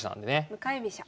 向かい飛車。